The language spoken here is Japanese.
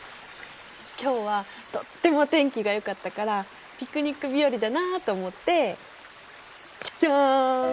今日はとっても天気がよかったからピクニック日和だなあと思ってジャン！